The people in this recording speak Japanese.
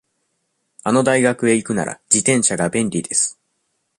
あの大学へ行くなら、自転車が便利です。